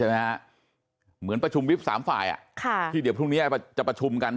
เหมือนประชุมวิบสามฝ่ายอ่ะค่ะที่เดี๋ยวพรุ่งนี้จะประชุมกัน